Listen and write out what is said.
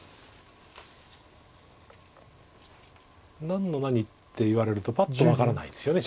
何の何って言われるとパッと分からないですよね